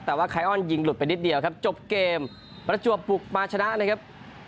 แต่ว่าไคออนยิงหลุดไปนิดเดียวครับจบเกมประจวบปลุกมาชนะนะครับ